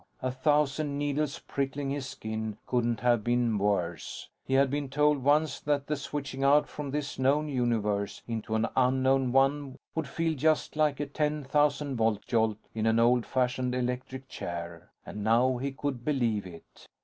A thousand needles prickling his skin couldn't have been worse. He had been told once that the switching out from this known universe into an unknown one would feel just like a ten thousand volt jolt in an old fashioned electric chair; and now he could believe it.